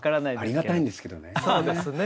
ありがたいんですけどね。